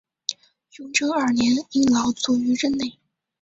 雍正二年因劳卒于任内。